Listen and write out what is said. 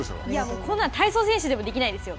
こんなの体操選手でもできないですよ。